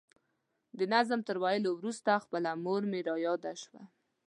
د نظم تر ویلو وروسته خپله مور مې را یاده شوه.